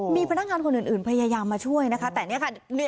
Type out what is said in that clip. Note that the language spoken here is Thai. มีพนักงานคนอื่นพยายามมาช่วยนะคะแต่เนี่ยค่ะ